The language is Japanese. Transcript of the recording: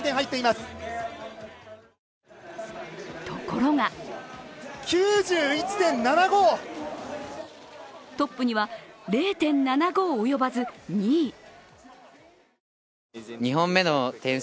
ところがトップには０．７５及ばず２位。